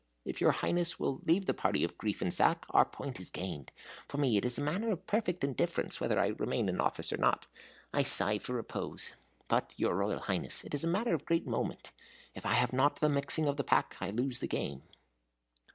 If your Highness will leave the party of Griefensack, our point is gained. For me, it is a matter of perfect indifference whether I remain in office or not. I sigh for repose. But for your Royal Highness, it is a matter of great moment. If I have not the mixing of the pack, I lose the game."